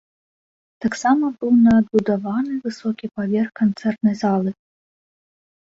Таксама быў надбудаваны высокі паверх канцэртнай залы.